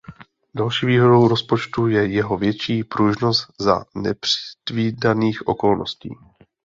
Další výhodou rozpočtu je jeho větší pružnost za nepředvídaných okolností.